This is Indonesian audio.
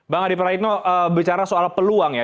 bang adip raikno bicara soal peluang ya